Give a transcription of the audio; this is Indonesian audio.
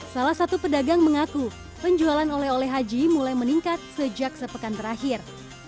salah satu pedagang mengaku penjualan oleh oleh haji mulai meningkat sejak sepekan terakhir